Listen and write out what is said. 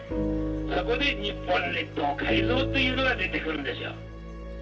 そこで日本列島改造というのが出てくるんですよ。